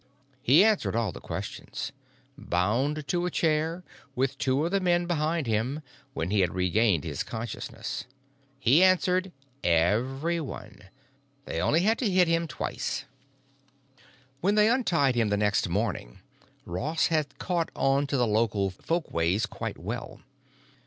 He answered all the questions—bound to a chair, with two of the men behind him, when he had regained consciousness. He answered every one. They only had to hit him twice. When they untied him the next morning, Ross had caught on to the local folkways quite well.